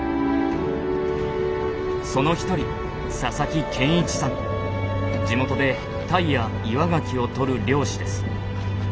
その一人地元でタイやイワガキをとる漁師です。